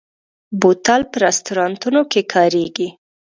بوتل په رستورانتونو کې کارېږي.